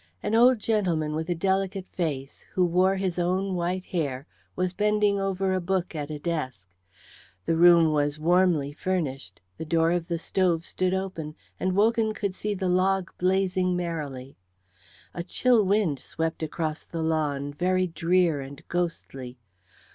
An old gentleman with a delicate face, who wore his own white hair, was bending over a book at a desk. The room was warmly furnished, the door of the stove stood open, and Wogan could see the logs blazing merrily. A chill wind swept across the lawn, very drear and ghostly.